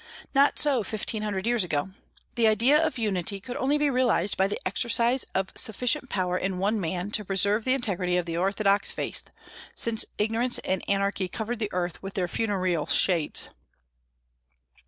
Not so fifteen hundred years ago. The idea of unity could only be realized by the exercise of sufficient power in one man to preserve the integrity of the orthodox faith, since ignorance and anarchy covered the earth with their funereal shades.